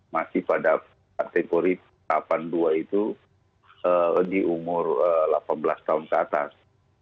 masih pada kategori delapan puluh dua itu di umur delapan belas tahun ke atas